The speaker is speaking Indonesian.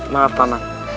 maaf pak man